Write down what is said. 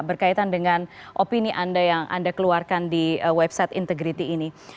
berkaitan dengan opini anda yang anda keluarkan di website integriti ini